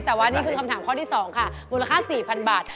แต่ว่านี่คือคำถามข้อที่๒ค่ะมูลค่า๔๐๐๐บาท